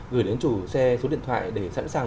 gửi đến chủ xe số điện thoại để sẵn sàng